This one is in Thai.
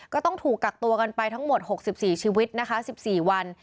ก็ต้องถูกกักตัวกันไปทั้งหมด๖๔ชีวิตนะคะ๑๔วัน